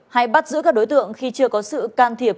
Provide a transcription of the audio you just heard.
hay bắt giữ các đối tượng khi chưa có sự can thiệp